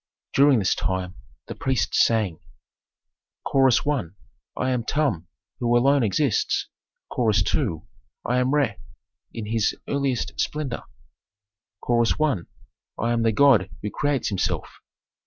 During this time the priests sang, Chorus I. "I am Tum, who alone exists." Chorus II. "I am Re, in his earliest splendor." Chorus I. "I am the god who creates himself."